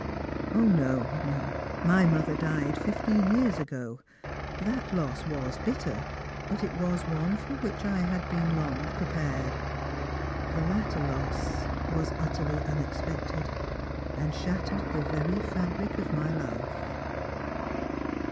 "No; my mother died fifteen years ago. That loss waa bitter, but it was one for which I had been long prepared. The latter loss was utterly unexpected, and shattered the very fabric of my life."